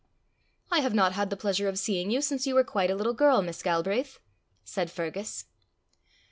"I have not had the pleasure of seeing you since you were quite a little girl, Miss Galbraith," said Fergus.